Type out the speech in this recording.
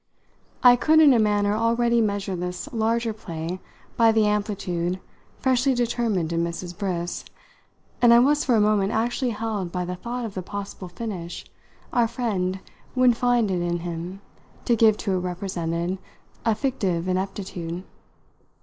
I could in a manner already measure this larger play by the amplitude freshly determined in Mrs. Briss, and I was for a moment actually held by the thought of the possible finish our friend would find it in him to give to a represented, a fictive ineptitude.